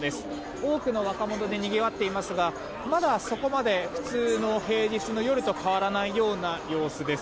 多くの若者でにぎわっていますがまだ、そこまで普通の平日の夜と変わらないような様子です。